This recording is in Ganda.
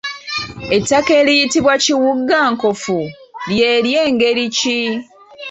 Ettaka eriyitibwa kiwugankofu lye ly'engeri ki?